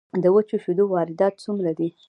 د وچو شیدو واردات څومره دي؟